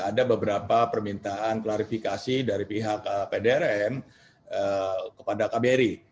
ada beberapa permintaan klarifikasi dari pihak pdrm kepada kbri